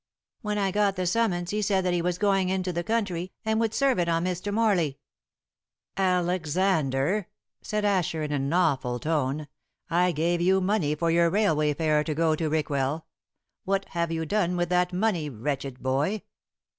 When I got the summons he said that he was going into the country, and would serve it on Mr. Morley." "Alexander," said Asher in an awful tone, "I gave you money for your railway fare to go to Rickwell. What have you done with that money, wretched boy?"